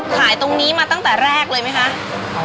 ขายตรงนี้มาตั้งแต่แรกเลยไหมคะ